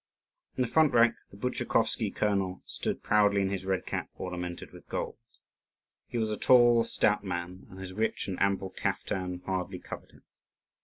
In the front rank the Budzhakovsky colonel stood proudly in his red cap ornamented with gold. He was a tall, stout man, and his rich and ample caftan hardly covered him.